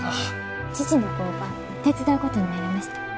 父の工場手伝うことになりました。